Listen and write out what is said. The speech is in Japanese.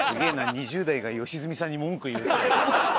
２０代が良純さんに文句言ってる。